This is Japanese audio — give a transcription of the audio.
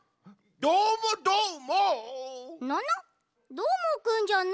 どーもくんじゃない？